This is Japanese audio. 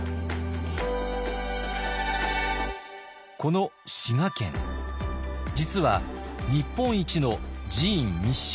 この滋賀県実は日本一の寺院密集地帯。